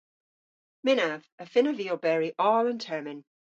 Mynnav. Y fynnav vy oberi oll an termyn.